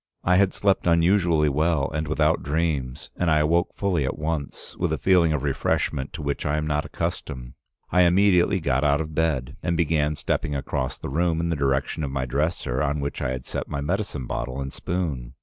"I had slept unusually well and without dreams, and I awoke fully at once, with a feeling of refreshment to which I am not accustomed. I immediately got out of bed and began stepping across the room in the direction of my dresser, on which I had set my medicine bottle and spoon.